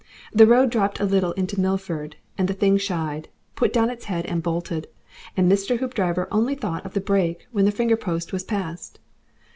The road dropped a little into Milford, and the thing shied, put down its head and bolted, and Mr. Hoopdriver only thought of the brake when the fingerpost was passed.